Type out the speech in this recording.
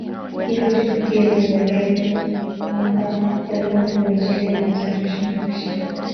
Ili tufikie lengo letu mwaka elfu mbili na ishirini na tatu ushindi wa kishindo